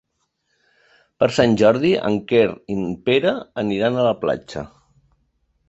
Per Sant Jordi en Quer i en Pere aniran a la platja.